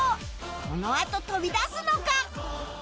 このあと飛び出すのか？